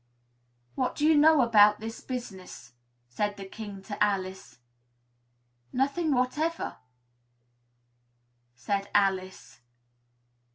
"What do you know about this business?" the King said to Alice. "Nothing whatever," said Alice.